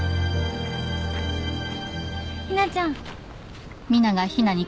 ひなちゃん。